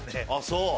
そう？